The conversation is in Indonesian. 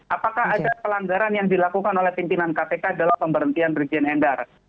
apakah ada pelanggaran yang dilakukan oleh pimpinan kpk dalam pemberhentian brigjen endar